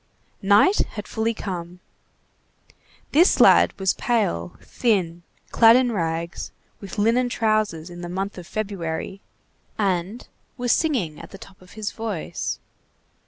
Night had fully come. This lad was pale, thin, clad in rags, with linen trousers in the month of February, and was singing at the top of his voice.